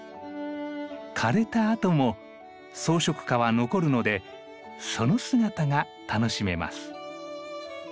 枯れたあとも装飾花は残るのでその姿が楽しめます。